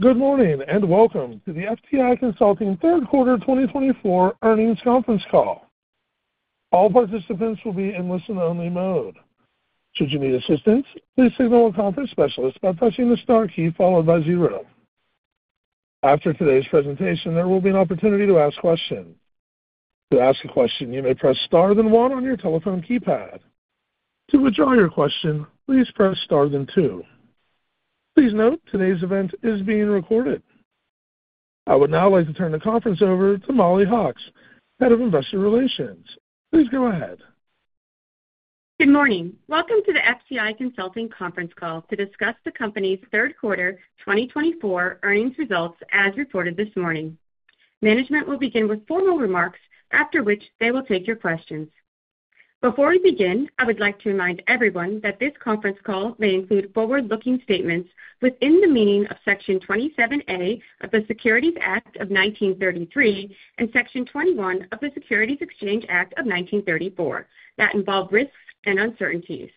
Good morning, and welcome to the FTI Consulting Third Quarter Twenty Twenty-Four Earnings Conference Call. All participants will be in listen-only mode. Should you need assistance, please signal a conference specialist by pressing the star key followed by zero. After today's presentation, there will be an opportunity to ask questions. To ask a question, you may press Star then one on your telephone keypad. To withdraw your question, please press Star then two. Please note, today's event is being recorded. I would now like to turn the conference over to Mollie Hawkes, Head of Investor Relations. Please go ahead. Good morning. Welcome to the FTI Consulting conference call to discuss the company's third quarter twenty twenty-four earnings results as reported this morning. Management will begin with formal remarks, after which they will take your questions. Before we begin, I would like to remind everyone that this conference call may include forward-looking statements within the meaning of Section Twenty-seven A of the Securities Act of nineteen thirty-three and Section Twenty-one of the Securities Exchange Act of nineteen thirty-four, that involve risks and uncertainties.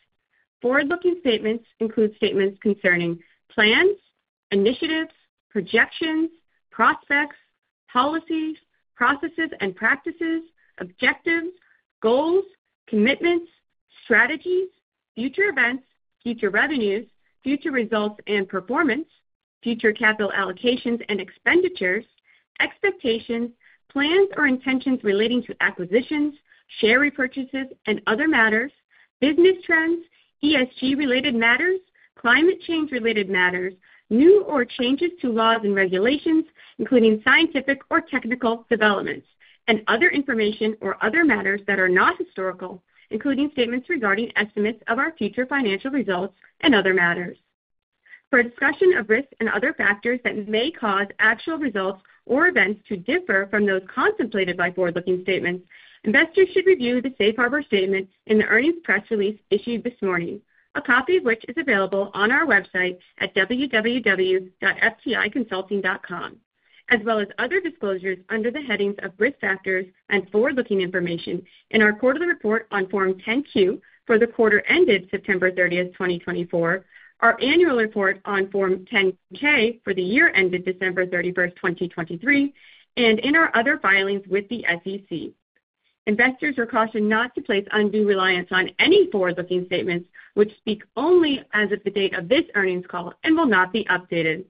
Forward-looking statements include statements concerning plans, initiatives, projections, prospects, policies, processes and practices, objectives, goals, commitments, strategies, future events, future revenues, future results and performance, future capital allocations and expenditures, expectations, plans or intentions relating to acquisitions, share repurchases and other matters, business trends, ESG-related matters, climate change-related matters, new or changes to laws and regulations, including scientific or technical developments, and other information or other matters that are not historical, including statements regarding estimates of our future financial results and other matters. For a discussion of risks and other factors that may cause actual results or events to differ from those contemplated by forward-looking statements, investors should review the safe harbor statement in the earnings press release issued this morning, a copy of which is available on our website at www.fticonsulting.com, as well as other disclosures under the headings of Risk Factors and Forward-Looking Information in our quarterly report on Form 10-Q for the quarter ended September thirtieth, twenty twenty-four, our annual report on Form 10-K for the year ended December thirty-first, twenty twenty-three, and in our other filings with the SEC. Investors are cautioned not to place undue reliance on any forward-looking statements, which speak only as of the date of this earnings call and will not be updated.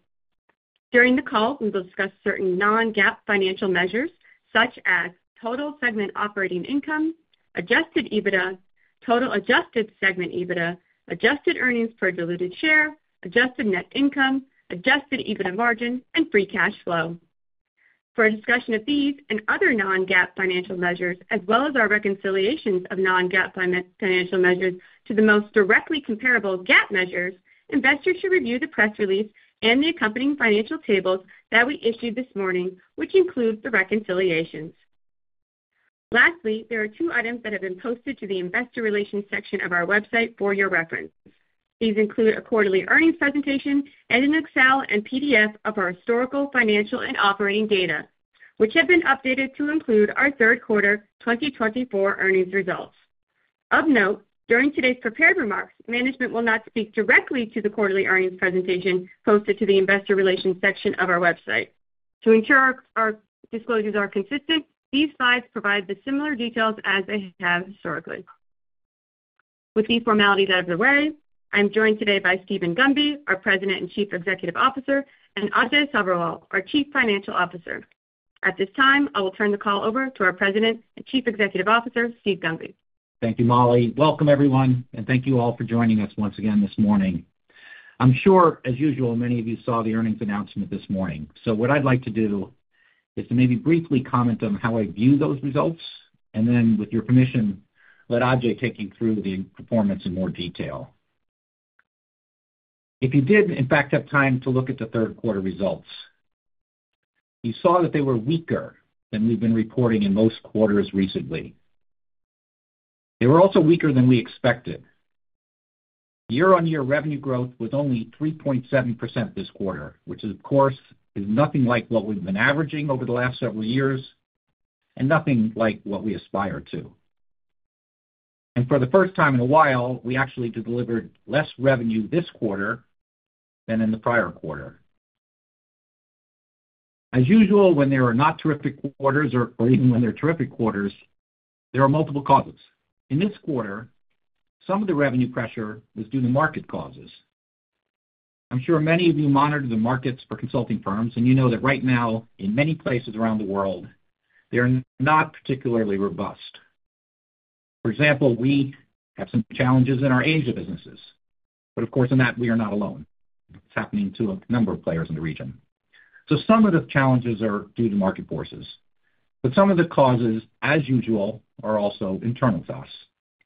During the call, we will discuss certain non-GAAP financial measures such as Total Segment Operating Income, Adjusted EBITDA, Total Adjusted Segment EBITDA, Adjusted Earnings per Diluted Share, Adjusted Net Income, Adjusted EBITDA margin, and Free Cash Flow. For a discussion of these and other non-GAAP financial measures, as well as our reconciliations of non-GAAP financial measures to the most directly comparable GAAP measures, investors should review the press release and the accompanying financial tables that we issued this morning, which includes the reconciliations. Lastly, there are two items that have been posted to the investor relations section of our website for your reference. These include a quarterly earnings presentation and an Excel and PDF of our historical, financial, and operating data, which have been updated to include our third quarter twenty twenty-four earnings results. Of note, during today's prepared remarks, management will not speak directly to the quarterly earnings presentation posted to the investor relations section of our website. To ensure our disclosures are consistent, these slides provide the similar details as they have historically. With these formalities out of the way, I'm joined today by Steven Gunby, our President and Chief Executive Officer, and Ajay Sabherwal, our Chief Financial Officer. At this time, I will turn the call over to our President and Chief Executive Officer, Steve Gunby. Thank you, Mollie. Welcome, everyone, and thank you all for joining us once again this morning. I'm sure, as usual, many of you saw the earnings announcement this morning, so what I'd like to do is to maybe briefly comment on how I view those results, and then, with your permission, let Ajay take you through the performance in more detail. If you did, in fact, have time to look at the third quarter results, you saw that they were weaker than we've been reporting in most quarters recently. They were also weaker than we expected. Year-on-year revenue growth was only 3.7% this quarter, which of course, is nothing like what we've been averaging over the last several years and nothing like what we aspire to, and for the first time in a while, we actually delivered less revenue this quarter than in the prior quarter. As usual, when there are not terrific quarters or even when they're terrific quarters, there are multiple causes. In this quarter, some of the revenue pressure was due to market causes. I'm sure many of you monitor the markets for consulting firms, and you know that right now, in many places around the world, they're not particularly robust. For example, we have some challenges in our Asia businesses, but of course, in that we are not alone. It's happening to a number of players in the region. So some of the challenges are due to market forces, but some of the causes, as usual, are also internal to us.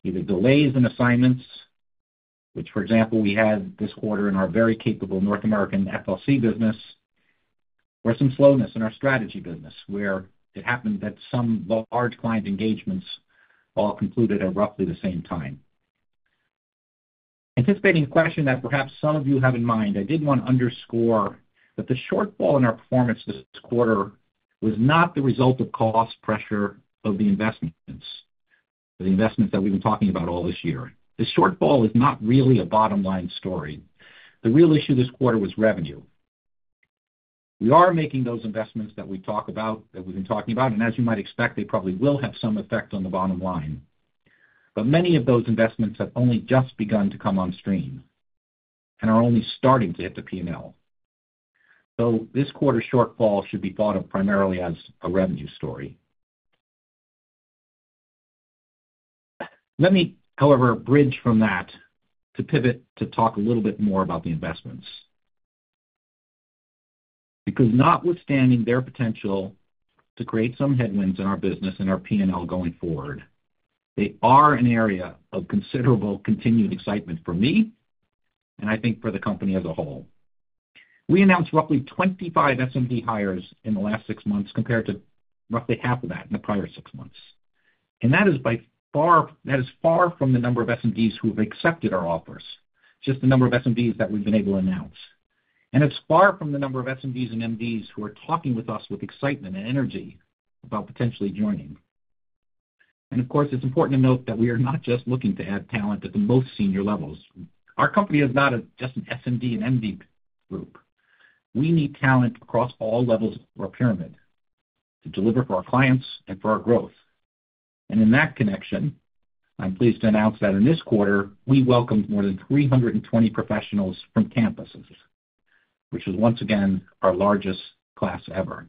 Either delays in assignments, which for example, we had this quarter in our very capable North American FLC business, or some slowness in our strategy business, where it happened that some large client engagements all concluded at roughly the same time. Anticipating a question that perhaps some of you have in mind, I did want to underscore that the shortfall in our performance this quarter was not the result of cost pressure of the investments, the investments that we've been talking about all this year. The shortfall is not really a bottom-line story. The real issue this quarter was revenue. We are making those investments that we talk about, that we've been talking about, and as you might expect, they probably will have some effect on the bottom line. But many of those investments have only just begun to come on stream and are only starting to hit the P&L. So this quarter's shortfall should be thought of primarily as a revenue story. Let me, however, bridge from that to pivot to talk a little bit more about the investments. Because notwithstanding their potential to create some headwinds in our business and our P&L going forward, they are an area of considerable continued excitement for me and I think for the company as a whole. We announced roughly 25 SMD hires in the last six months, compared to roughly half of that in the prior six months. And that is by far, that is far from the number of SMDs who have accepted our offers, just the number of SMDs that we've been able to announce. And it's far from the number of SMDs and MDs who are talking with us with excitement and energy about potentially joining. And of course, it's important to note that we are not just looking to add talent at the most senior levels. Our company is not just an SMD and MD group. We need talent across all levels of our pyramid to deliver for our clients and for our growth. And in that connection, I'm pleased to announce that in this quarter, we welcomed more than 320 professionals from campuses, which is once again, our largest class ever.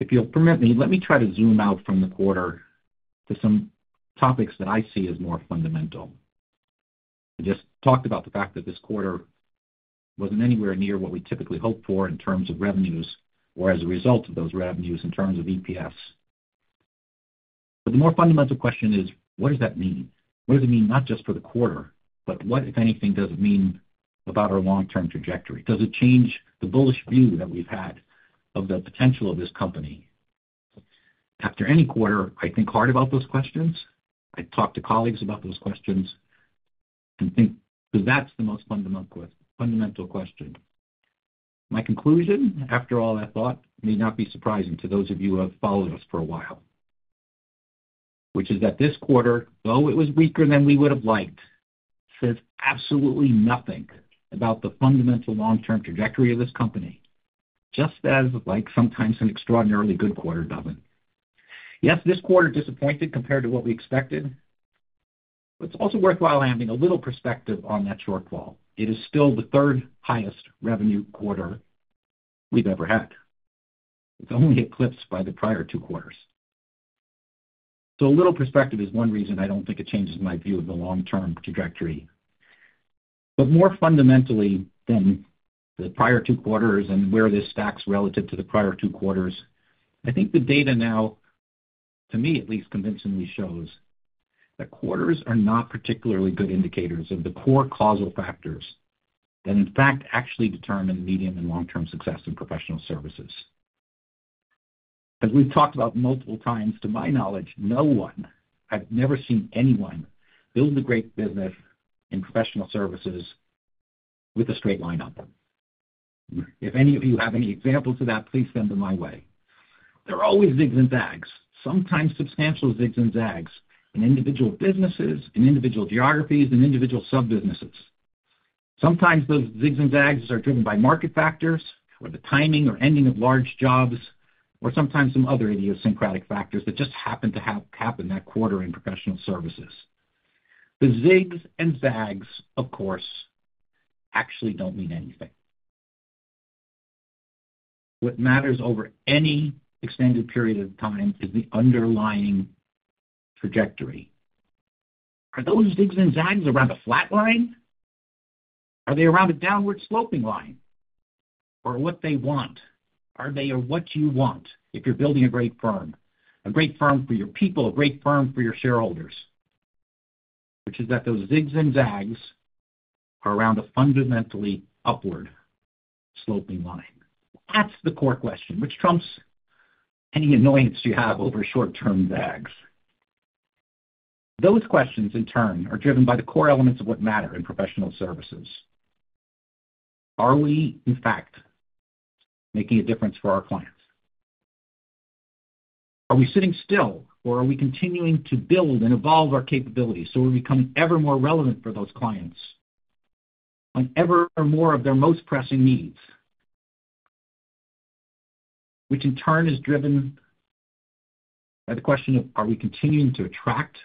If you'll permit me, let me try to zoom out from the quarter to some topics that I see as more fundamental. I just talked about the fact that this quarter wasn't anywhere near what we typically hope for in terms of revenues or as a result of those revenues in terms of EPS. But the more fundamental question is: what does that mean? What does it mean not just for the quarter, but what, if anything, does it mean about our long-term trajectory? Does it change the bullish view that we've had of the potential of this company? After any quarter, I think hard about those questions. I talk to colleagues about those questions and think that's the most fundamental question. My conclusion, after all that thought, may not be surprising to those of you who have followed us for a while, which is that this quarter, though it was weaker than we would have liked, says absolutely nothing about the fundamental long-term trajectory of this company, just as like sometimes an extraordinarily good quarter doesn't. Yes, this quarter disappointed compared to what we expected, but it's also worthwhile having a little perspective on that shortfall. It is still the third highest revenue quarter we've ever had. It's only eclipsed by the prior two quarters. So a little perspective is one reason I don't think it changes my view of the long-term trajectory. But more fundamentally than the prior two quarters and where this stacks relative to the prior two quarters, I think the data now, to me, at least convincingly shows that quarters are not particularly good indicators of the core causal factors that, in fact, actually determine medium- and long-term success in professional services. As we've talked about multiple times, to my knowledge, no one. I've never seen anyone build a great business in professional services with a straight line up. If any of you have any examples of that, please send them my way. There are always zigs and zags, sometimes substantial zigs and zags in individual businesses, in individual geographies, and individual sub-businesses. Sometimes those zigs and zags are driven by market factors or the timing or ending of large jobs, or sometimes some other idiosyncratic factors that just happen to happen that quarter in professional services. The zigs and zags, of course, actually don't mean anything. What matters over any extended period of time is the underlying trajectory. Are those zigs and zags around a flat line? Are they around a downward sloping line? Or what they want. Are they or what you want if you're building a great firm, a great firm for your people, a great firm for your shareholders, which is that those zigs and zags are around a fundamentally upward sloping line. That's the core question, which trumps any annoyance you have over short-term zags. Those questions, in turn, are driven by the core elements of what matter in professional services. Are we, in fact, making a difference for our clients? Are we sitting still or are we continuing to build and evolve our capabilities so we're becoming ever more relevant for those clients on ever or more of their most pressing needs? Which in turn is driven by the question of, are we continuing to attract and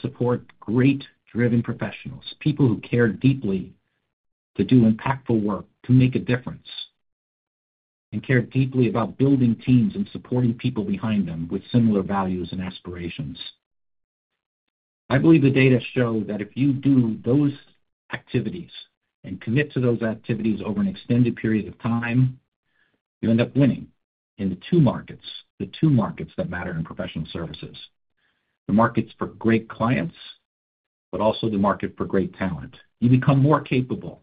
support great driven professionals, people who care deeply to do impactful work, to make a difference, and care deeply about building teams and supporting people behind them with similar values and aspirations? I believe the data show that if you do those activities and commit to those activities over an extended period of time, you end up winning in the two markets, the two markets that matter in professional services: the markets for great clients, but also the market for great talent. You become more capable,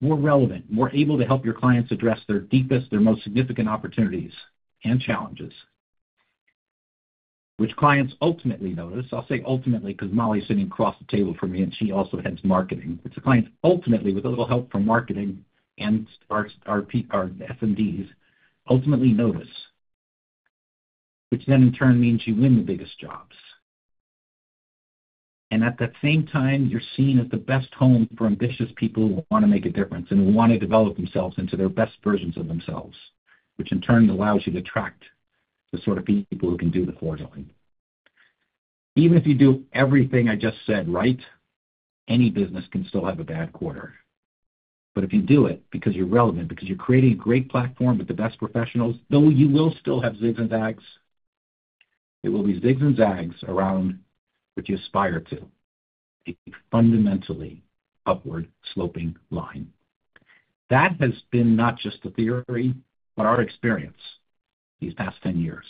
more relevant, more able to help your clients address their deepest, their most significant opportunities and challenges.... which clients ultimately notice. I'll say ultimately, because Mollie's sitting across the table from me, and she also heads marketing, which the clients ultimately, with a little help from marketing and our SMDs, ultimately notice, which then in turn means you win the biggest jobs. And at that same time, you're seen as the best home for ambitious people who want to make a difference and who want to develop themselves into their best versions of themselves, which in turn allows you to attract the sort of people who can do the core job. Even if you do everything I just said right, any business can still have a bad quarter. But if you do it because you're relevant, because you're creating a great platform with the best professionals, though you will still have zigs and zags, it will be zigs and zags around which you aspire to a fundamentally upward-sloping line. That has been not just the theory, but our experience these past 10 years.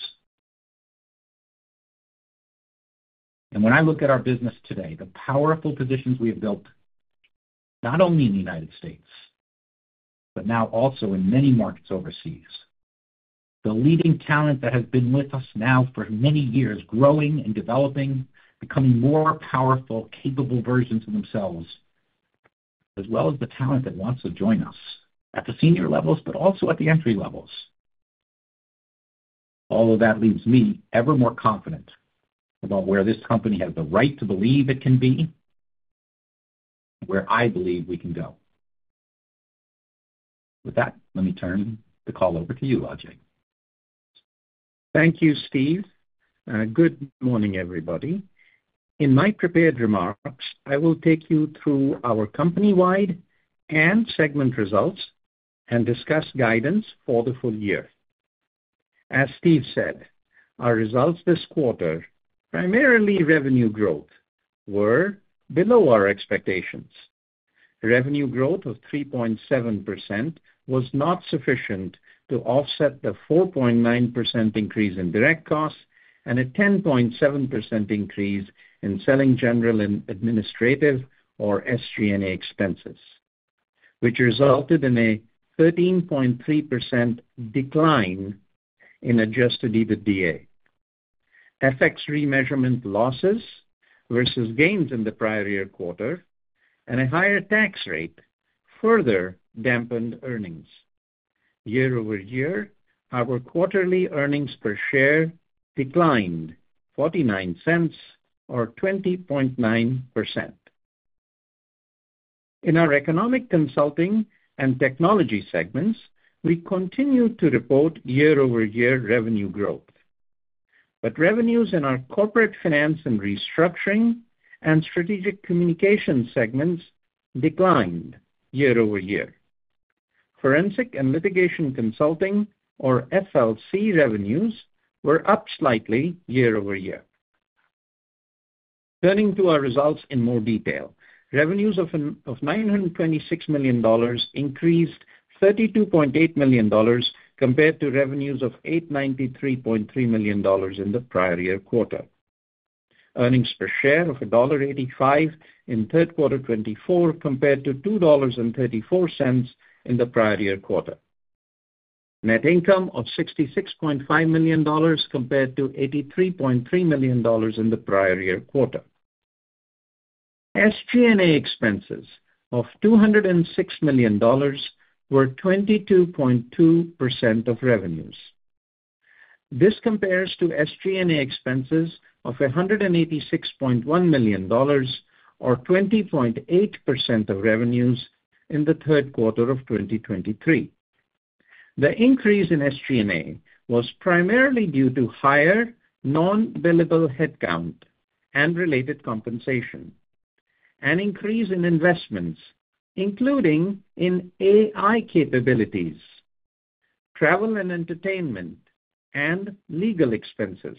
And when I look at our business today, the powerful positions we have built, not only in the United States, but now also in many markets overseas, the leading talent that has been with us now for many years, growing and developing, becoming more powerful, capable versions of themselves, as well as the talent that wants to join us at the senior levels, but also at the entry levels. All of that leaves me ever more confident about where this company has the right to believe it can be, where I believe we can go. With that, let me turn the call over to you, Ajay. Thank you, Steve. Good morning, everybody. In my prepared remarks, I will take you through our company-wide and segment results and discuss guidance for the full year. As Steve said, our results this quarter, primarily revenue growth, were below our expectations. Revenue growth of 3.7% was not sufficient to offset the 4.9% increase in direct costs and a 10.7% increase in selling general and administrative or SG&A expenses, which resulted in a 13.3% decline in Adjusted EBITDA. FX remeasurement losses versus gains in the prior year quarter and a higher tax rate further dampened earnings. Year over year, our quarterly earnings per share declined $0.49 or 20.9%. In our Economic Consulting and Technology segments, we continued to report year-over-year revenue growth, but revenues in our Corporate Finance & Restructuring and Strategic Communications segments declined year over year. Forensic and Litigation Consulting, or FLC, revenues were up slightly year over year. Turning to our results in more detail. Revenues of $926 million increased $32.8 million compared to revenues of $893.3 million in the prior year quarter. Earnings per share of $1.85 in third quarter 2024, compared to $2.34 in the prior year quarter. Net income of $66.5 million compared to $83.3 million in the prior year quarter. SG&A expenses of $206 million were 22.2% of revenues. This compares to SG&A expenses of $186.1 million or 20.8% of revenues in the third quarter of 2023. The increase in SG&A was primarily due to higher non-billable headcount and related compensation, an increase in investments, including in AI capabilities, travel and entertainment, and legal expenses.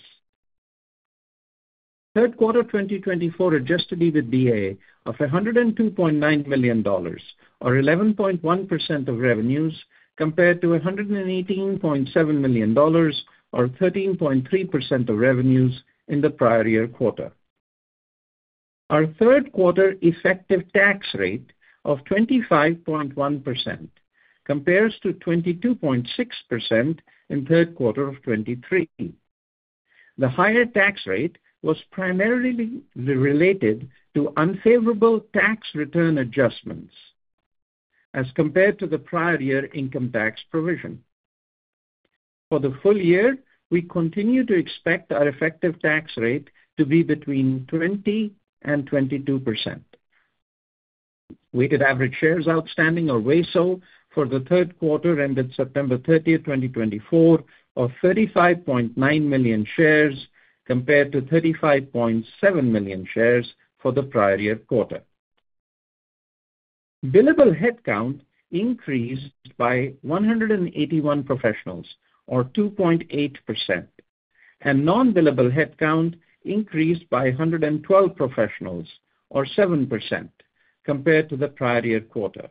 Third quarter 2024 Adjusted EBITDA of $102.9 million or 11.1% of revenues, compared to $118.7 million or 13.3% of revenues in the prior year quarter. Our third quarter effective tax rate of 25.1% compares to 22.6% in third quarter of 2023. The higher tax rate was primarily related to unfavorable tax return adjustments as compared to the prior year income tax provision. For the full year, we continue to expect our effective tax rate to be between 20% and 22%. Weighted average shares outstanding, or WASO, for the third quarter ended September thirtieth, 2024, of 35.9 million shares, compared to 35.7 million shares for the prior year quarter. Billable headcount increased by 181 professionals, or 2.8%, and non-billable headcount increased by 112 professionals, or 7%, compared to the prior year quarter,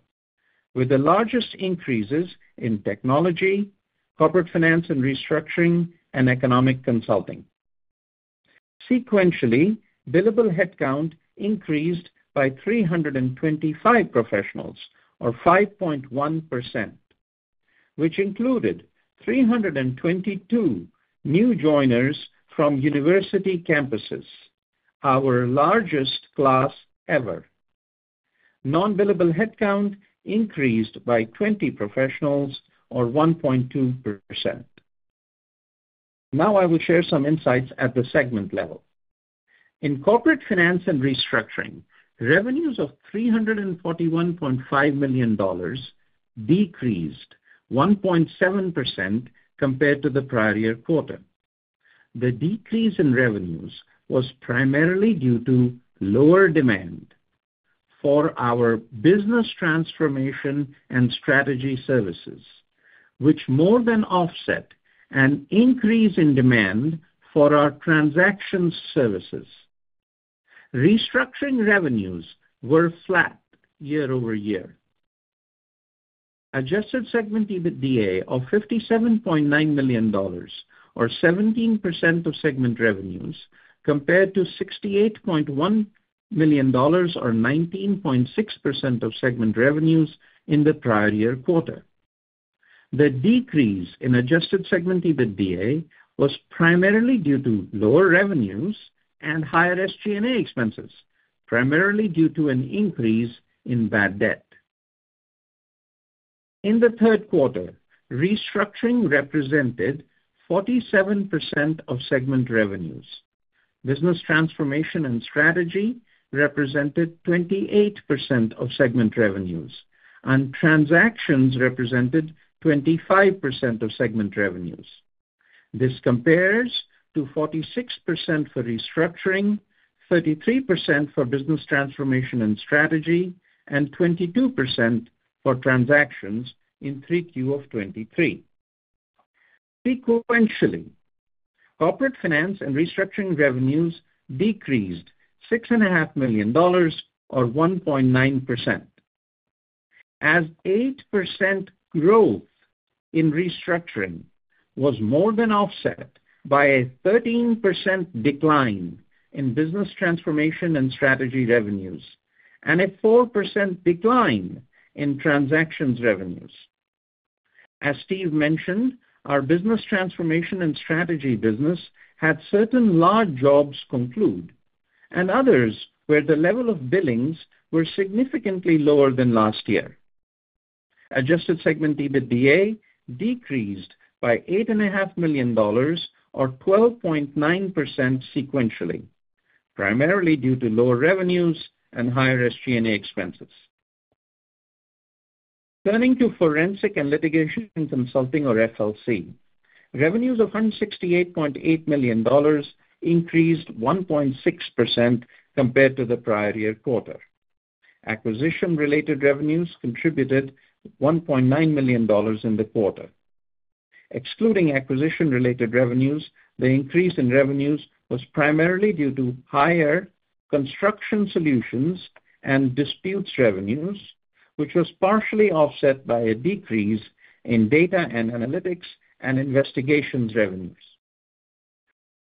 with the largest increases in Technology, Corporate Finance and Restructuring, and Economic Consulting. Sequentially, billable headcount increased by 325 professionals or 5.1%, which included 322 new joiners from university campuses, our largest class ever. Non-billable headcount increased by 20 professionals or 1.2%. Now I will share some insights at the segment level. In Corporate Finance & Restructuring, revenues of $341.5 million decreased 1.7% compared to the prior year quarter. The decrease in revenues was primarily due to lower demand for our Business Transformation & Strategy services, which more than offset an increase in demand for our Transactions services. Restructuring revenues were flat year-over-year. Adjusted segment EBITDA of $57.9 million or 17% of segment revenues, compared to $68.1 million or 19.6% of segment revenues in the prior year quarter. The decrease in adjusted segment EBITDA was primarily due to lower revenues and higher SG&A expenses, primarily due to an increase in bad debt. In the third quarter, Restructuring represented 47% of segment revenues. Business Transformation & Strategy represented 28% of segment revenues, and Transactions represented 25% of segment revenues. This compares to 46% for Restructuring, 33% for Business Transformation & Strategy, and 22% for Transactions in 3Q of 2023. Sequentially, Corporate Finance and Restructuring revenues decreased $6.5 million or 1.9%, as 8% growth in Restructuring was more than offset by a 13% decline in Business Transformation & Strategy revenues, and a 4% decline in Transactions revenues. As Steve mentioned, our Business Transformation & Strategy business had certain large jobs conclude, and others, where the level of billings were significantly lower than last year. Adjusted segment EBITDA decreased by $8.5 million or 12.9% sequentially, primarily due to lower revenues and higher SG&A expenses. Turning to Forensic and Litigation Consulting or FLC, revenues of $168.8 million increased 1.6% compared to the prior year quarter. Acquisition-related revenues contributed $1.9 million in the quarter. Excluding acquisition-related revenues, the increase in revenues was primarily due to higher Construction Solutions and disputes revenues, which was partially offset by a decrease in Data & Analytics and Investigations revenues.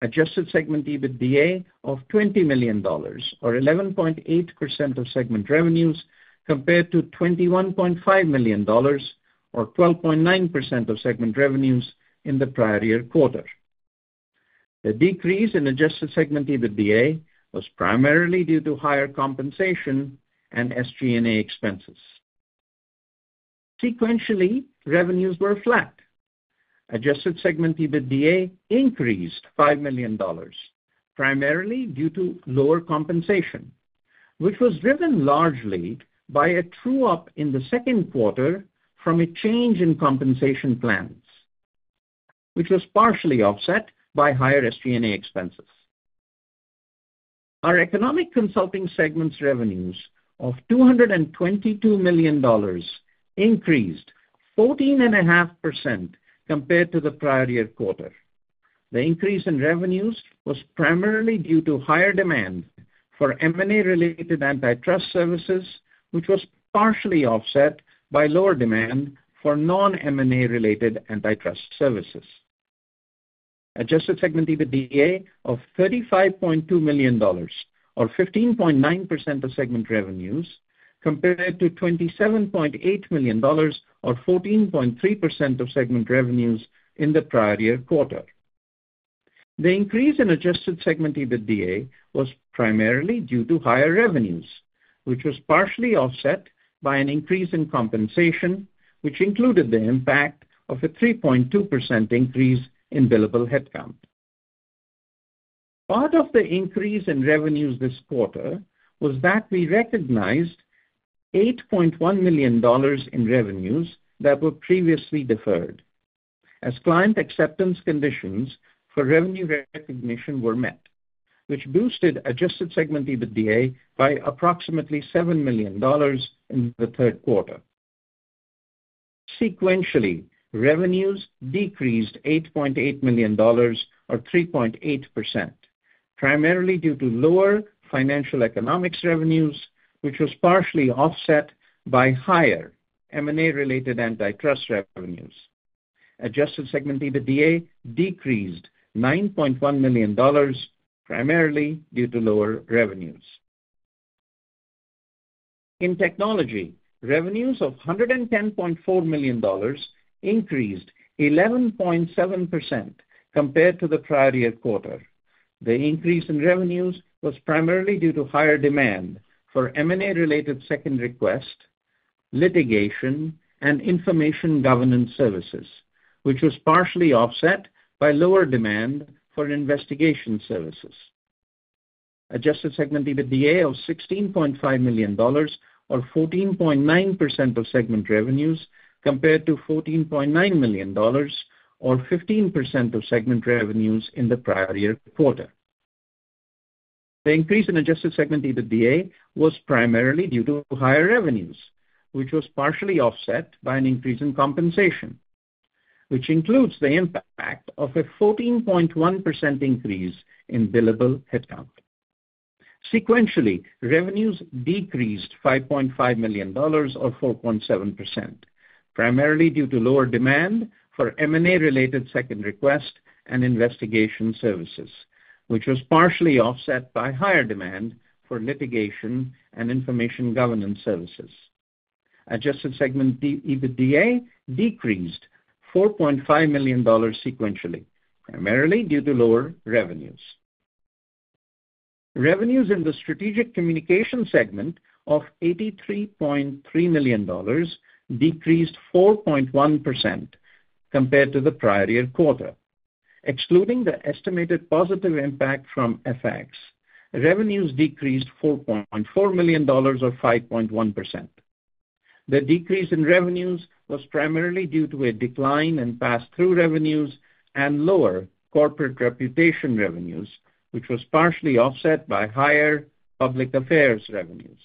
Adjusted segment EBITDA of $20 million or 11.8% of segment revenues, compared to $21.5 million or 12.9% of segment revenues in the prior year quarter. The decrease in adjusted segment EBITDA was primarily due to higher compensation and SG&A expenses. Sequentially, revenues were flat. Adjusted segment EBITDA increased $5 million, primarily due to lower compensation, which was driven largely by a true-up in the second quarter from a change in compensation plans, which was partially offset by higher SG&A expenses. Our Economic Consulting segment's revenues of $222 million increased 14.5% compared to the prior year quarter. The increase in revenues was primarily due to higher demand for M&A-related antitrust services, which was partially offset by lower demand for non-M&A-related antitrust services. Adjusted segment EBITDA of $35.2 million or 15.9% of segment revenues, compared to $27.8 million or 14.3% of segment revenues in the prior year quarter. The increase in adjusted segment EBITDA was primarily due to higher revenues, which was partially offset by an increase in compensation, which included the impact of a 3.2% increase in billable headcount. Part of the increase in revenues this quarter was that we recognized $8.1 million in revenues that were previously deferred, as client acceptance conditions for revenue recognition were met, which boosted adjusted segment EBITDA by approximately $7 million in the third quarter. Sequentially, revenues decreased $8.8 million or 3.8%, primarily due to lower Financial Economics revenues, which was partially offset by higher M&A-related antitrust revenues. Adjusted segment EBITDA decreased $9.1 million, primarily due to lower revenues. In Technology, revenues of $110.4 million increased 11.7% compared to the prior year quarter. The increase in revenues was primarily due to higher demand for M&A-related Second Request, litigation, and Information Governance services, which was partially offset by lower demand for investigation services. Adjusted segment EBITDA of $16.5 million, or 14.9% of segment revenues, compared to $14.9 million, or 15% of segment revenues in the prior year quarter. The increase in adjusted segment EBITDA was primarily due to higher revenues, which was partially offset by an increase in compensation, which includes the impact of a 14.1% increase in billable headcount. Sequentially, revenues decreased $5.5 million or 4.7%, primarily due to lower demand for M&A-related Second Request and investigation services, which was partially offset by higher demand for litigation and Information Governance services. Adjusted segment EBITDA decreased $4.5 million sequentially, primarily due to lower revenues. Revenues in the Strategic Communications segment of $83.3 million decreased 4.1% compared to the prior year quarter. Excluding the estimated positive impact from FX, revenues decreased $4.4 million or 5.1%. The decrease in revenues was primarily due to a decline in pass-through revenues and lower Corporate Reputation revenues, which was partially offset by higher Public Affairs revenues.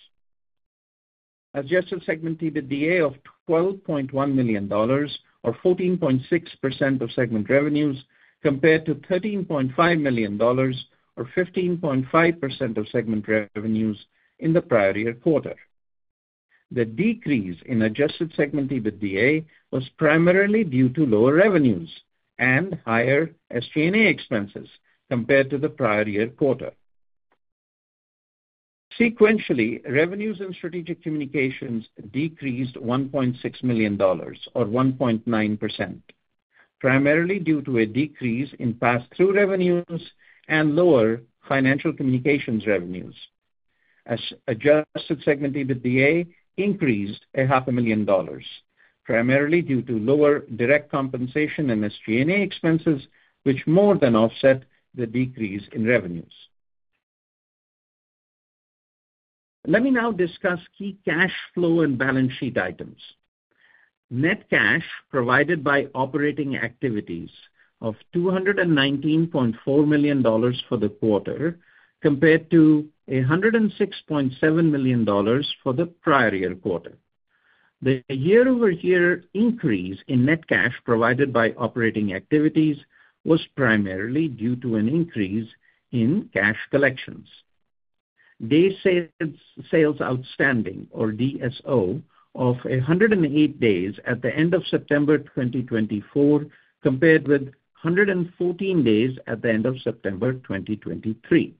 Adjusted segment EBITDA of $12.1 million or 14.6% of segment revenues, compared to $13.5 million or 15.5% of segment revenues in the prior year quarter. The decrease in adjusted segment EBITDA was primarily due to lower revenues and higher SG&A expenses compared to the prior year quarter. Sequentially, revenues in Strategic Communications decreased $1.6 million or 1.9%, primarily due to a decrease in pass-through revenues and lower Financial Communications revenues. As adjusted segment EBITDA increased $500,000, primarily due to lower direct compensation and SG&A expenses, which more than offset the decrease in revenues. Let me now discuss key cash flow and balance sheet items. Net cash provided by operating activities of $219.4 million for the quarter, compared to $106.7 million for the prior year quarter. The year-over-year increase in net cash provided by operating activities was primarily due to an increase in cash collections. Days sales outstanding or DSO of 108 days at the end of September 2024, compared with 114 days at the end of September 2023.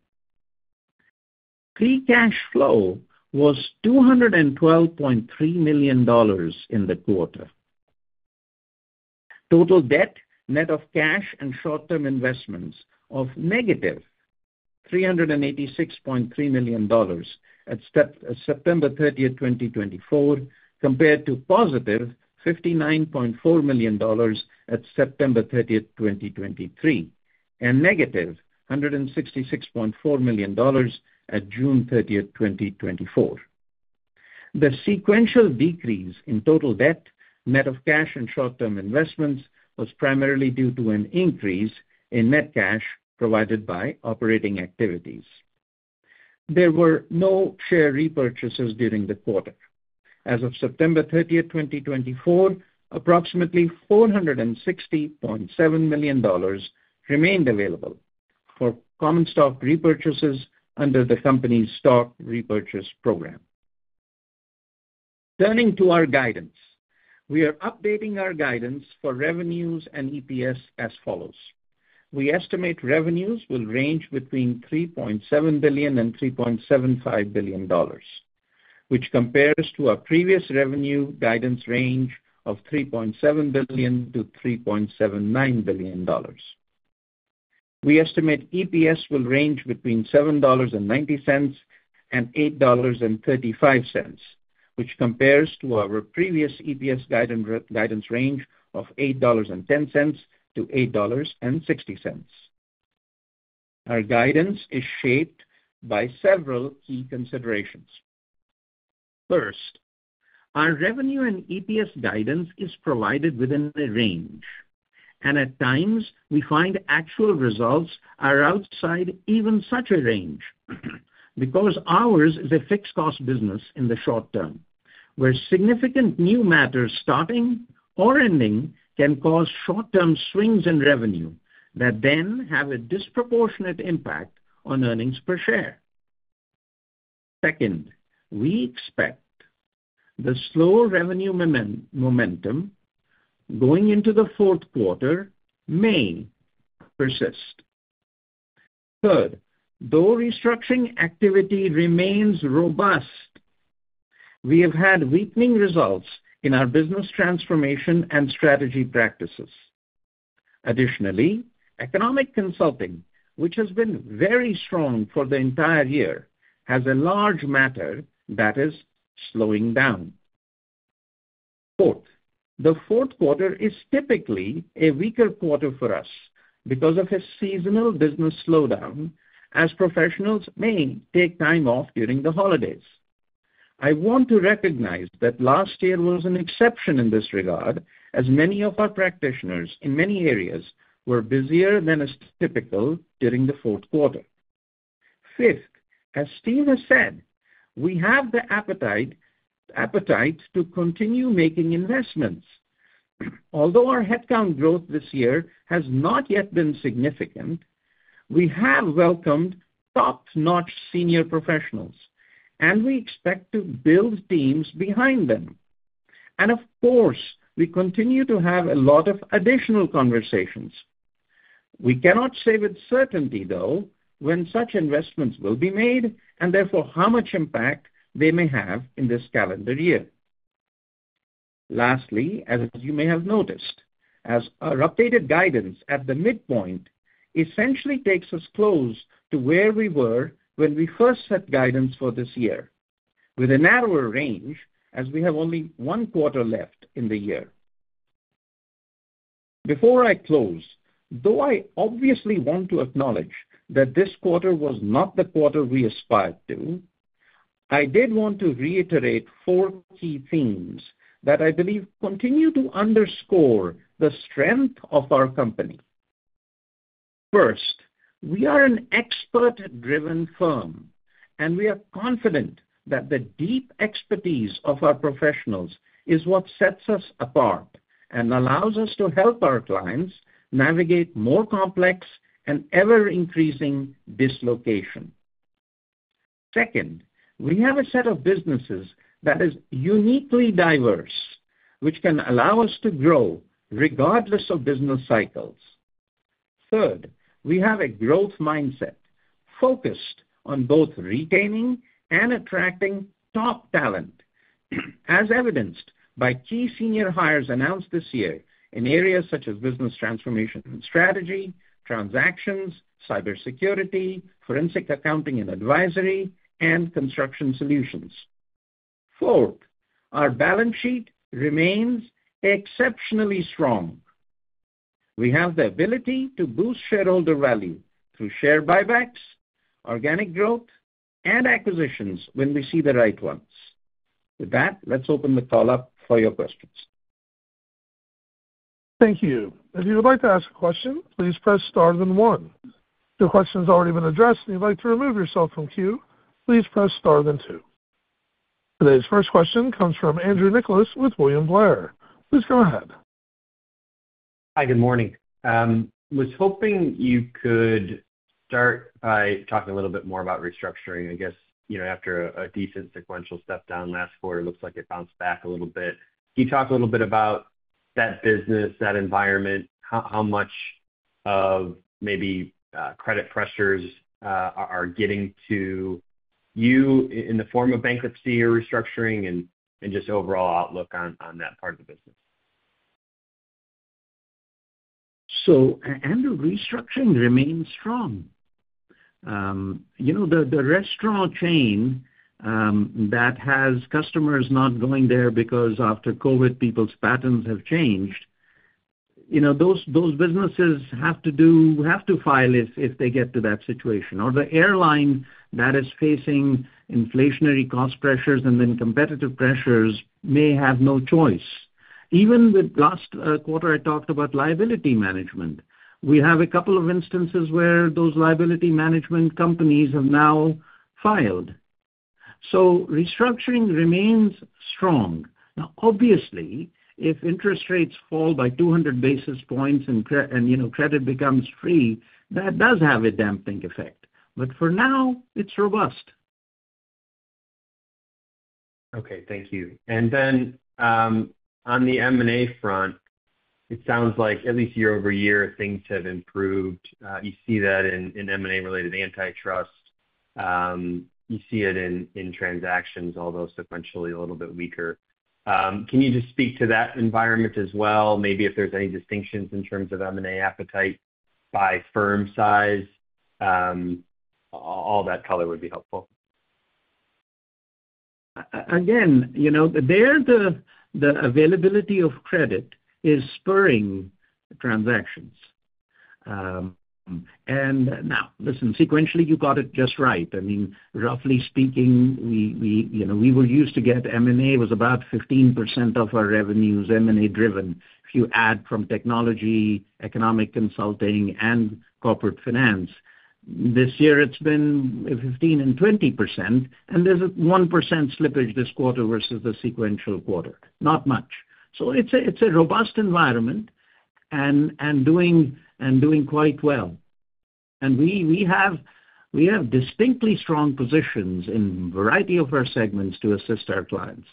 Free Cash Flow was $212.3 million in the quarter. Total debt, net of cash and short-term investments of negative $386.3 million at September thirtieth, 2024, compared to positive $59.4 million at September thirtieth, 2023, and negative $166.4 million at June thirtieth, 2024. The sequential decrease in total debt, net of cash and short-term investments, was primarily due to an increase in net cash provided by operating activities. There were no share repurchases during the quarter. As of September thirtieth, 2024, approximately $460.7 million remained available for common stock repurchases under the company's stock repurchase program. Turning to our guidance, we are updating our guidance for revenues and EPS as follows: We estimate revenues will range between $3.7 billion and $3.75 billion, which compares to our previous revenue guidance range of $3.7 billion to $3.79 billion. We estimate EPS will range between $7.90 and $8.35, which compares to our previous EPS guidance range of $8.10 to $8.60. Our guidance is shaped by several key considerations. First, our revenue and EPS guidance is provided within a range, and at times, we find actual results are outside even such a range, because ours is a fixed cost business in the short term, where significant new matters starting or ending can cause short-term swings in revenue that then have a disproportionate impact on earnings per share. Second, we expect the slow revenue momentum going into the fourth quarter may persist. Third, though Restructuring activity remains robust, we have had weakening results in our Business Transformation & Strategy practices. Additionally, Economic Consulting, which has been very strong for the entire year, has a large matter that is slowing down. Fourth, the fourth quarter is typically a weaker quarter for us because of a seasonal business slowdown, as professionals may take time off during the holidays. I want to recognize that last year was an exception in this regard, as many of our practitioners in many areas were busier than is typical during the fourth quarter. Fifth, as Steve has said, we have the appetite to continue making investments. Although our headcount growth this year has not yet been significant, we have welcomed top-notch senior professionals, and we expect to build teams behind them. And of course, we continue to have a lot of additional conversations. We cannot say with certainty, though, when such investments will be made, and therefore how much impact they may have in this calendar year. Lastly, as you may have noticed, as our updated guidance at the midpoint essentially takes us close to where we were when we first set guidance for this year, with a narrower range, as we have only one quarter left in the year. Before I close, though I obviously want to acknowledge that this quarter was not the quarter we aspired to, I did want to reiterate four key themes that I believe continue to underscore the strength of our company. First, we are an expert-driven firm, and we are confident that the deep expertise of our professionals is what sets us apart and allows us to help our clients navigate more complex and ever-increasing dislocation. Second, we have a set of businesses that is uniquely diverse, which can allow us to grow regardless of business cycles. Third, we have a growth mindset focused on both retaining and attracting top talent, as evidenced by key senior hires announced this year in areas such as Business Transformation & Strategy, Transactions, Cybersecurity, Forensic Accounting & Advisory, and Construction Solutions. Fourth, our balance sheet remains exceptionally strong. We have the ability to boost shareholder value through share buybacks, organic growth, and acquisitions when we see the right ones. With that, let's open the call up for your questions. Thank you. If you would like to ask a question, please press star then one. If your question's already been addressed, and you'd like to remove yourself from queue, please press star then two. Today's first question comes from Andrew Nicholas with William Blair. Please go ahead. Hi, good morning. I was hoping you could start by talking a little bit more about Restructuring. I guess, you know, after a decent sequential step down last quarter, it looks like it bounced back a little bit. Can you talk a little bit about that business, that environment, how much of maybe credit pressures are getting to you in the form of Bankruptcy or Restructuring, and just overall outlook on that part of the business? So Andrew, Restructuring remains strong. You know, the restaurant chain that has customers not going there because after COVID, people's patterns have changed, you know, those businesses have to file if they get to that situation. Or the airline that is facing inflationary cost pressures and then competitive pressures may have no choice. Even with last quarter, I talked about liability management. We have a couple of instances where those liability management companies have now filed. So Restructuring remains strong. Now, obviously, if interest rates fall by two hundred basis points and, you know, credit becomes free, that does have a damping effect, but for now, it's robust. Okay, thank you. And then, on the M&A front, it sounds like at least year over year, things have improved. You see that in M&A-related antitrust. You see it in Transactions, although sequentially a little bit weaker. Can you just speak to that environment as well? Maybe if there's any distinctions in terms of M&A appetite by firm size, all that color would be helpful. Again, you know, there, the availability of credit is spurring Transactions. And now, listen, sequentially, you got it just right. I mean, roughly speaking, you know, we were used to get M&A was about 15% of our revenues, M&A-driven. If you add from Technology, Economic Consulting, and Corporate Finance, this year it's been 15% and 20%, and there's a 1% slippage this quarter versus the sequential quarter. Not much. So it's a robust environment and doing quite well. And we have distinctly strong positions in a variety of our segments to assist our clients....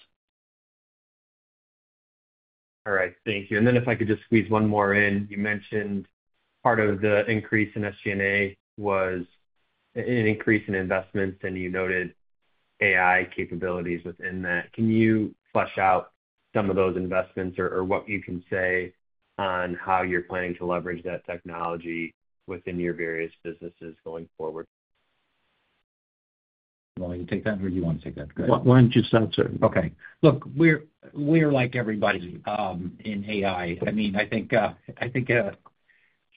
All right, thank you. And then if I could just squeeze one more in. You mentioned part of the increase in SG&A was an increase in investments, and you noted AI capabilities within that. Can you flesh out some of those investments or, or what you can say on how you're planning to leverage that Technology within your various businesses going forward? You want me to take that, or do you want to take that? Go ahead. Why don't you start, sir? Okay. Look, we're like everybody in AI. I mean, I think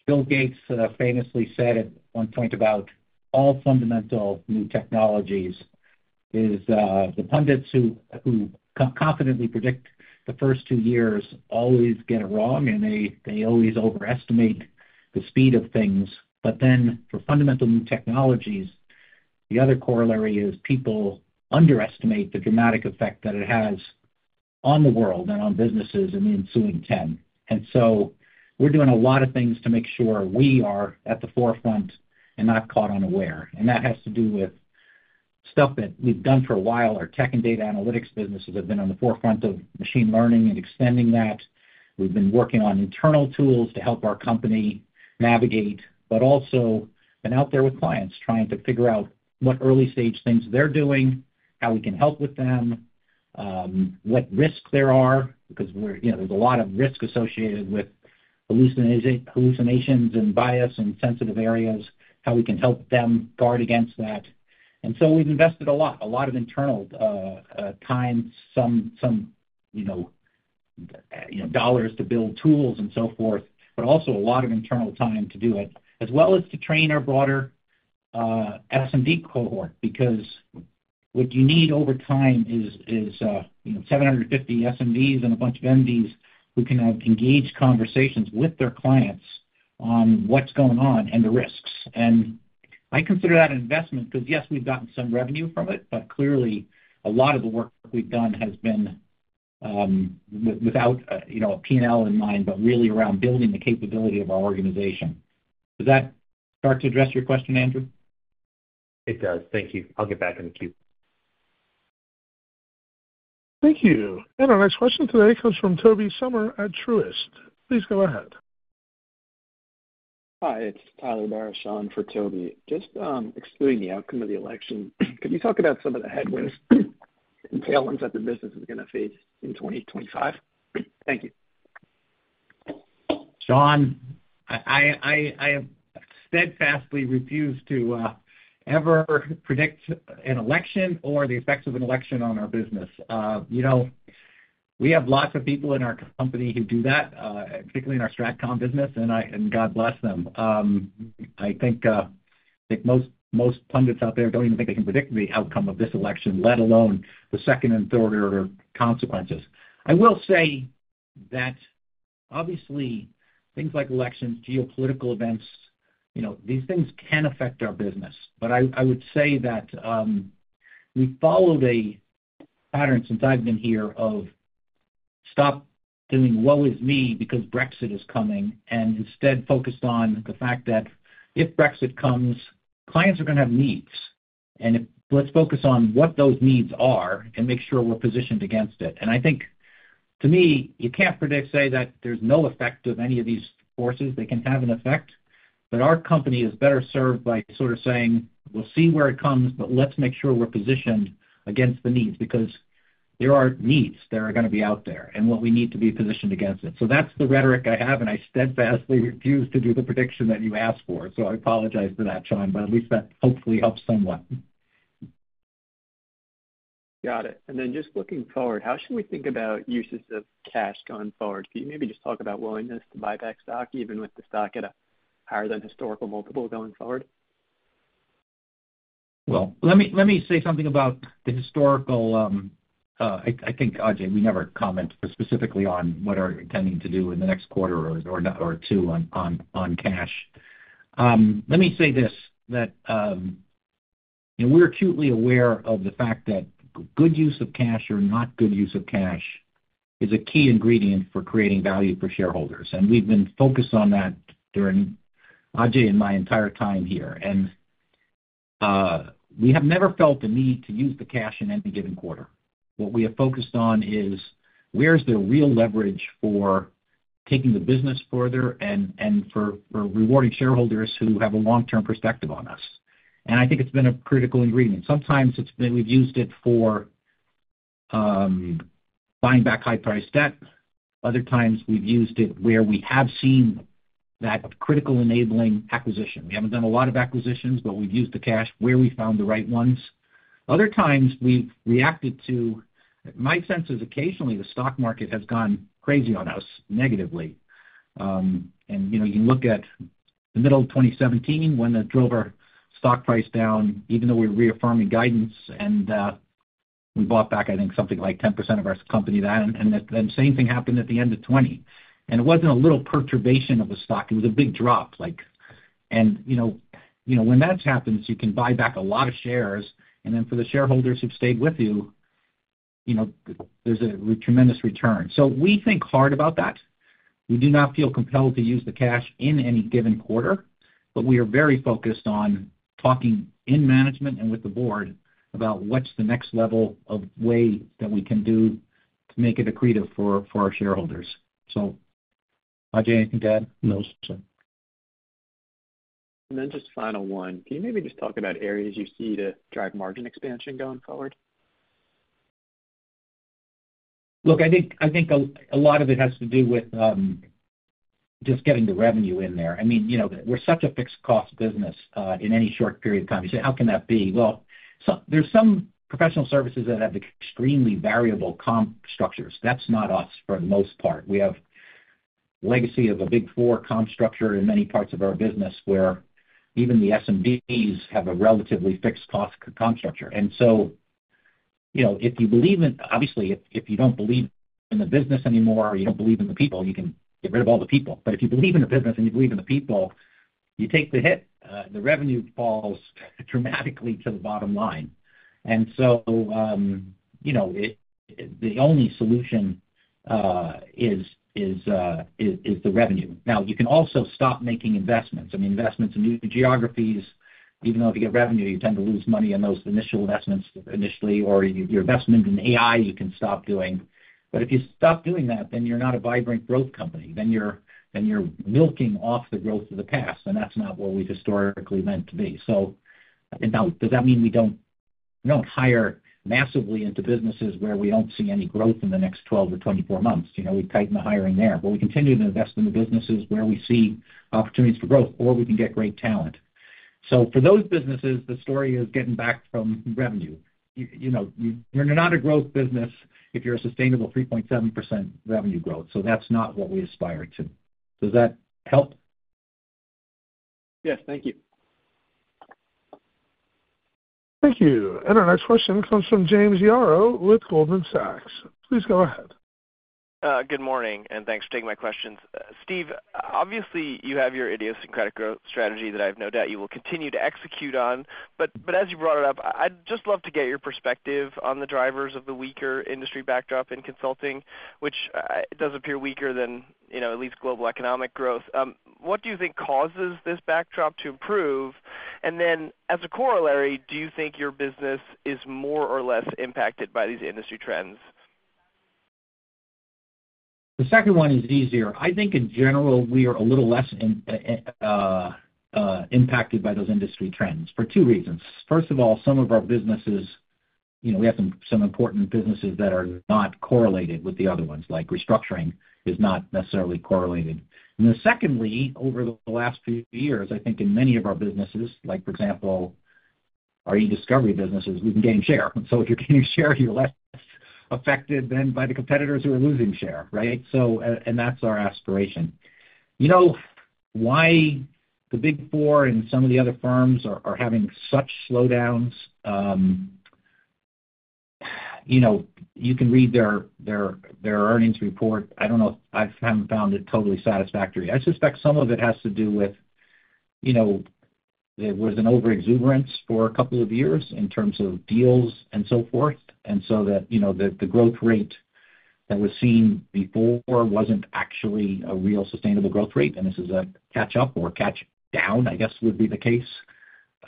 Bill Gates famously said at one point about all fundamental new technologies is the pundits who confidently predict the first two years always get it wrong, and they always overestimate the speed of things. But then for fundamental new technologies, the other corollary is people underestimate the dramatic effect that it has on the world and on businesses in the ensuing ten. And so we're doing a lot of things to make sure we are at the forefront and not caught unaware. And that has to do with stuff that we've done for a while. Our tech and data analytics businesses have been on the forefront of machine learning and extending that. We've been working on internal tools to help our company navigate, but also been out there with clients, trying to figure out what early-stage things they're doing, how we can help with them, what risks there are, because we're, you know, there's a lot of risk associated with hallucinations and bias in sensitive areas, how we can help them guard against that. And so we've invested a lot of internal time, some, you know, dollars to build tools and so forth, but also a lot of internal time to do it, as well as to train our broader SMD cohort. Because what you need over time is, you know, 750 SMDs and a bunch of MDs who can have engaged conversations with their clients on what's going on and the risks. I consider that an investment because, yes, we've gotten some revenue from it, but clearly a lot of the work we've done has been without, you know, a P&L in mind, but really around building the capability of our organization. Does that start to address your question, Andrew? It does. Thank you. I'll get back in the queue. Thank you. Our next question today comes from Toby Sommer at Truist. Please go ahead. Hi, it's Tyler Barishaw for Toby. Just, excluding the outcome of the election, could you talk about some of the headwinds and tailwinds that the business is gonna face in twenty twenty-five? Thank you. Sure, I steadfastly refuse to ever predict an election or the effects of an election on our business. You know, we have lots of people in our company who do that, particularly in our StratCom business, and God bless them. I think most pundits out there don't even think they can predict the outcome of this election, let alone the second and third order consequences. I will say that obviously, things like elections, geopolitical events, you know, these things can affect our business. But I would say that we followed a pattern since I've been here of stop doing woe is me because Brexit is coming, and instead focused on the fact that if Brexit comes, clients are gonna have needs, and let's focus on what those needs are and make sure we're positioned against it. And I think to me, you can't predict, say, that there's no effect of any of these forces. They can have an effect, but our company is better served by sort of saying, "We'll see where it comes, but let's make sure we're positioned against the needs," because there are needs that are gonna be out there and what we need to be positioned against it. So that's the rhetoric I have, and I steadfastly refuse to do the prediction that you asked for. So I apologize for that, Sure, but at least that hopefully helps somewhat. Got it, and then just looking forward, how should we think about uses of cash going forward? Can you maybe just talk about willingness to buy back stock, even with the stock at a higher than historical multiple going forward? Let me say something about the historical. I think, Ajay, we never comment specifically on what are you intending to do in the next quarter or not or two on cash. Let me say this, that, and we're acutely aware of the fact that good use of cash or not good use of cash is a key ingredient for creating value for shareholders, and we've been focused on that during Ajay and my entire time here. And we have never felt the need to use the cash in any given quarter. What we have focused on is: where's the real leverage for taking the business further and for rewarding shareholders who have a long-term perspective on us? And I think it's been a critical ingredient. Sometimes it's been we've used it for buying back high-priced debt. Other times, we've used it where we have seen that critical enabling acquisition. We haven't done a lot of acquisitions, but we've used the cash where we found the right ones. Other times, we've reacted to. My sense is occasionally the stock market has gone crazy on us, negatively. And, you know, you look at the middle of twenty seventeen, when that drove our stock price down, even though we're reaffirming guidance, and we bought back, I think, something like 10% of our company then, and that same thing happened at the end of twenty. And it wasn't a little perturbation of the stock. It was a big drop, like. You know, when that happens, you can buy back a lot of shares, and then for the shareholders who've stayed with you, you know, there's a tremendous return. So we think hard about that. We do not feel compelled to use the cash in any given quarter, but we are very focused on talking in management and with the board about what's the next level of way that we can do to make it accretive for our shareholders. So Ajay, anything to add? No, sir. And then just final one. Can you maybe just talk about areas you see to drive margin expansion going forward? Look, I think a lot of it has to do with just getting the revenue in there. I mean, you know, we're such a fixed cost business in any short period of time. You say, "How can that be?" Well, there's some professional services that have extremely variable comp structures. That's not us, for the most part. We have legacy of a big four comp structure in many parts of our business, where even the SMDs have a relatively fixed cost comp structure. And so, you know, if you believe in obviously, if you don't believe in the business anymore, or you don't believe in the people, you can get rid of all the people. But if you believe in the business and you believe in the people, you take the hit. The revenue falls dramatically to the bottom line. And so, you know, the only solution is the revenue. Now, you can also stop making investments. I mean, investments in new geographies, even though if you get revenue, you tend to lose money on those initial investments initially, or your investment in AI, you can stop doing. But if you stop doing that, then you're not a vibrant growth company, then you're milking off the growth of the past, and that's not what we've historically meant to be. So, and now, does that mean we don't hire massively into businesses where we don't see any growth in the next twelve to twenty-four months? You know, we tighten the hiring there, but we continue to invest in the businesses where we see opportunities for growth, or we can get great talent. So for those businesses, the story is getting back from revenue. You, you know, you're not a growth business if you're a sustainable 3.7% revenue growth, so that's not what we aspire to. Does that help? Yes. Thank you. Thank you. And our next question comes from James Yaro with Goldman Sachs. Please go ahead. Good morning, and thanks for taking my questions. Steve, obviously, you have your idiosyncratic growth strategy that I have no doubt you will continue to execute on. But, as you brought it up, I'd just love to get your perspective on the drivers of the weaker industry backdrop in consulting, which, it does appear weaker than, you know, at least global economic growth. What do you think causes this backdrop to improve? And then, as a corollary, do you think your business is more or less impacted by these industry trends? The second one is easier. I think in general, we are a little less impacted by those industry trends for two reasons. First of all, some of our businesses, you know, we have some important businesses that are not correlated with the other ones, like Restructuring is not necessarily correlated. And then secondly, over the last few years, I think in many of our businesses, like for example, our e-discovery businesses, we've been gaining share. So if you're gaining share, you're less affected than by the competitors who are losing share, right? So, and that's our aspiration. You know why the Big Four and some of the other firms are having such slowdowns? You know, you can read their earnings report. I don't know. I haven't found it totally satisfactory. I suspect some of it has to do with, you know, there was an overexuberance for a couple of years in terms of deals and so forth, and so that, you know, the, the growth rate that was seen before wasn't actually a real sustainable growth rate, and this is a catch up or catch down, I guess, would be the case.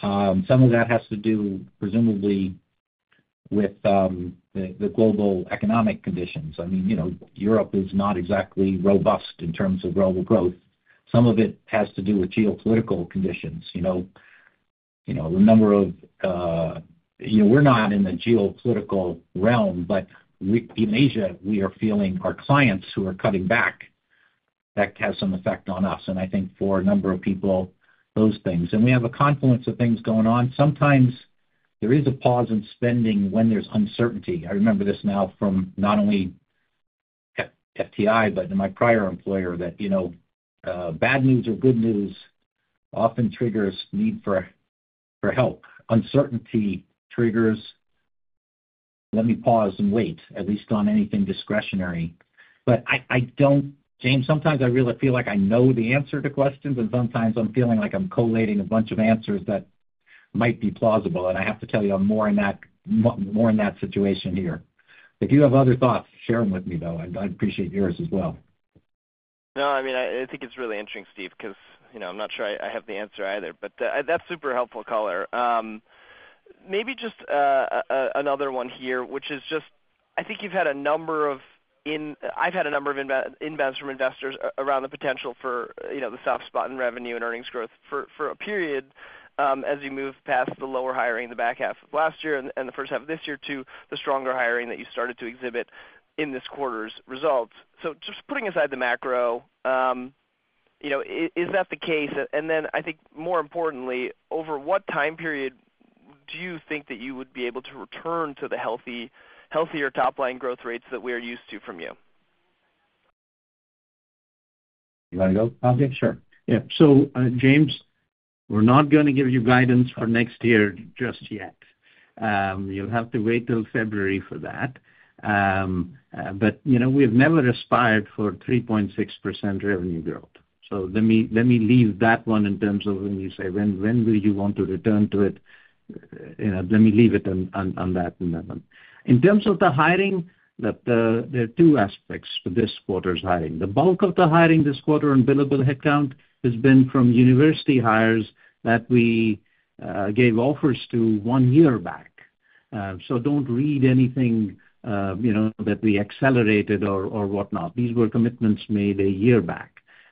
Some of that has to do, presumably, with, the global economic conditions. I mean, you know, Europe is not exactly robust in terms of global growth. Some of it has to do with geopolitical conditions, you know. You know, the number of. You know, we're not in the geopolitical realm, but we in Asia, we are feeling our clients who are cutting back, that has some effect on us, and I think for a number of people, those things. And we have a confluence of things going on. Sometimes there is a pause in spending when there's uncertainty. I remember this now from not only FTI, but in my prior employer, that, you know, bad news or good news often triggers need for help. Uncertainty triggers, let me pause and wait, at least on anything discretionary. But I don't-- James, sometimes I really feel like I know the answer to questions, and sometimes I'm feeling like I'm collating a bunch of answers that might be plausible, and I have to tell you, I'm more in that situation here. If you have other thoughts, share them with me, though. I'd appreciate yours as well. No, I mean, I think it's really interesting, Steve, 'cause, you know, I'm not sure I have the answer either, but that's super helpful color. Maybe just another one here, which is just I think I've had a number of investor inbounds from investors around the potential for, you know, the soft spot in revenue and earnings growth for a period, as you move past the lower hiring in the back half of last year and the first half of this year to the stronger hiring that you started to exhibit in this quarter's results. So just putting aside the macro, you know, is that the case? And then I think more importantly, over what time period do you think that you would be able to return to the healthier top line growth rates that we are used to from you? You wanna go, Ajay? Sure. Yeah. James, we're not gonna give you guidance for next year just yet. You'll have to wait till February for that. But, you know, we've never aspired for 3.6% revenue growth.... So let me leave that one in terms of when you say when will you want to return to it? You know, let me leave it on that one. In terms of the hiring, that, there are two aspects for this quarter's hiring. The bulk of the hiring this quarter in billable headcount has been from university hires that we gave offers to one year back. So don't read anything, you know, that we accelerated or whatnot. These were commitments made a year back.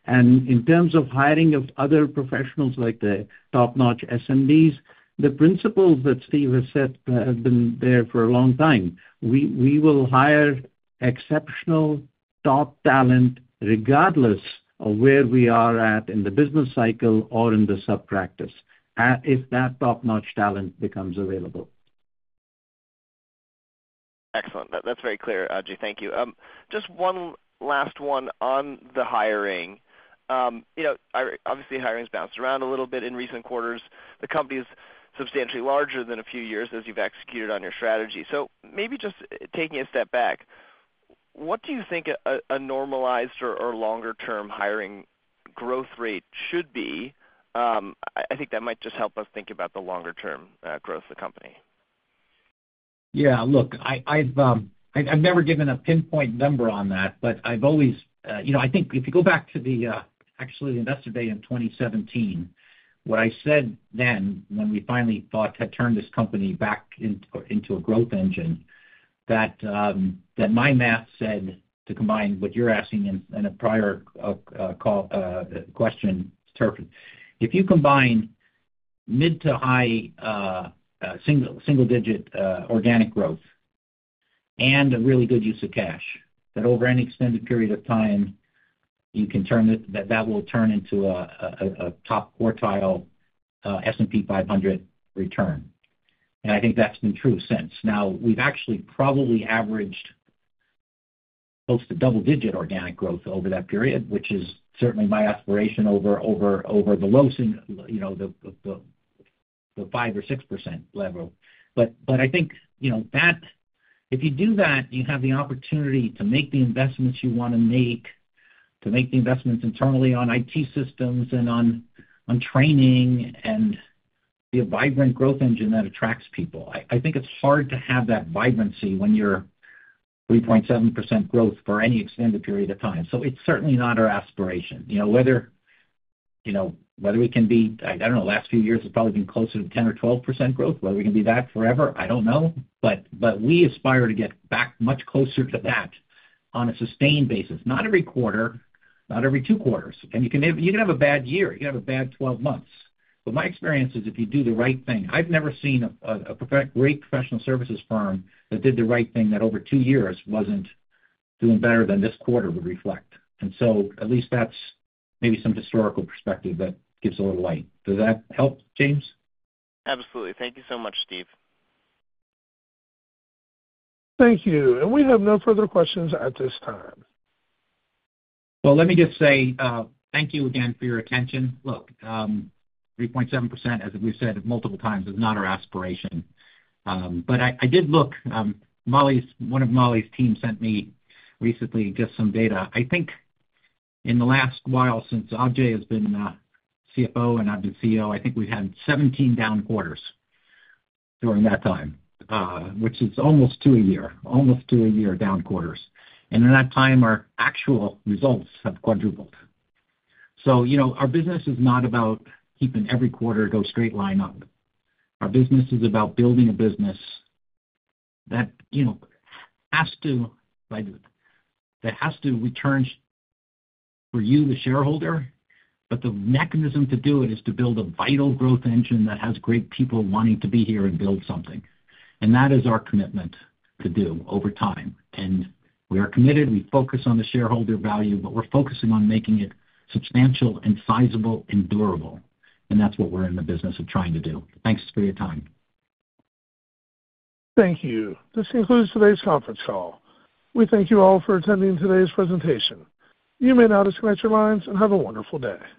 And in terms of hiring of other professionals, like the top-notch SMDs, the principles that Steve has set have been there for a long time. We will hire exceptional top talent regardless of where we are at in the business cycle or in the sub-practice, if that top-notch talent becomes available. Excellent. That's very clear, Ajay. Thank you. Just one last one on the hiring. You know, obviously, hiring's bounced around a little bit in recent quarters. The company is substantially larger than a few years as you've executed on your strategy. So maybe just taking a step back, what do you think a normalized or longer-term hiring growth rate should be? I think that might just help us think about the longer-term growth of the company. Yeah, look, I've never given a pinpoint number on that, but I've always. You know, I think if you go back to the, actually, Investor Day in 2017, what I said then, when we finally thought had turned this company back into a growth engine, that my math said, to combine what you're asking in a prior call question, Tobey. If you combine mid- to high-single-digit organic growth and a really good use of cash, that over any extended period of time, you can turn it that that will turn into a top-quartile S&P 500 return. And I think that's been true since. Now, we've actually probably averaged close to double-digit organic growth over that period, which is certainly my aspiration over the low single-- you know, the five or six percent level. But I think, you know, that if you do that, you have the opportunity to make the investments you wanna make, to make the investments internally on IT systems and on training and be a vibrant growth engine that attracts people. I think it's hard to have that vibrancy when you're 3.7% growth for any extended period of time, so it's certainly not our aspiration. You know, whether we can be, I don't know, last few years, it's probably been closer to 10% or 12% growth, whether we can be that forever, I don't know. But we aspire to get back much closer to that on a sustained basis. Not every quarter, not every two quarters. And you can have a bad year, you can have a bad twelve months. But my experience is, if you do the right thing, I've never seen a great professional services firm that did the right thing, that over two years wasn't doing better than this quarter would reflect. And so at least that's maybe some historical perspective that gives a little light. Does that help, James? Absolutely. Thank you so much, Steve. Thank you, and we have no further questions at this time. Let me just say, thank you again for your attention. Look, 3.7%, as we've said multiple times, is not our aspiration. But I did look. Mollie's—one of Mollie's team sent me recently just some data. I think in the last while, since Ajay has been CFO and I've been CEO, I think we've had 17 down quarters during that time, which is almost two a year, almost two a year down quarters. In that time, our actual results have quadrupled. You know, our business is not about keeping every quarter go straight line up. Our business is about building a business that, you know, has to return for you, the shareholder, but the mechanism to do it is to build a vital growth engine that has great people wanting to be here and build something. And that is our commitment to do over time. And we are committed, we focus on the shareholder value, but we're focusing on making it substantial and sizable and durable, and that's what we're in the business of trying to do. Thanks for your time. Thank you. This concludes today's conference call. We thank you all for attending today's presentation. You may now disconnect your lines, and have a wonderful day.